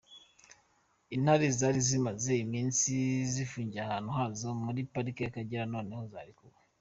Intare zari zimaze iminsi zifungiranye ahantu hazo muri Parike y’Akagera noneho zarekuwe.